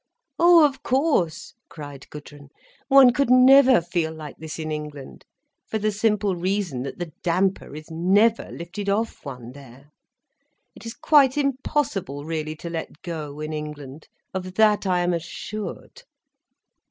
"Oh, of course," cried Gudrun. "One could never feel like this in England, for the simple reason that the damper is never lifted off one, there. It is quite impossible really to let go, in England, of that I am assured."